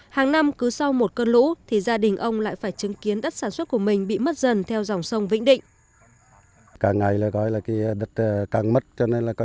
hàng năm cứ sau một cơn lũ thì gia đình ông lại phải chứng kiến đất sản xuất của mình bị mất dần theo dòng sông vĩnh định